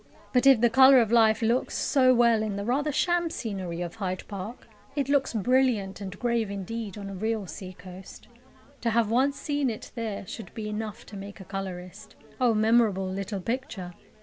But if the colour of life looks so well in the rather sham scenery of Hyde Park, it looks brilliant and grave indeed on a real sea coast. To have once seen it there should be enough to make a colourist. O memorable little picture!